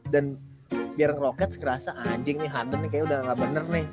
dan biar rockets ngerasa anjing nih harden nih kayak udah gak bener nih